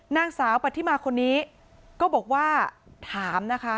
นางสาวปฏิมาคนนี้ก็บอกว่าถามนะคะ